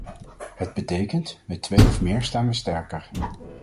Het betekent: met twee of meer staan wij we sterker.